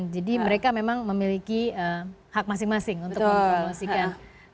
jadi mereka memang memiliki hak masing masing untuk mempromosikan